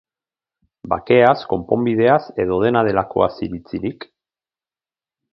Bakeaz, konponbideaz, edo dena delakoaz iritzirik?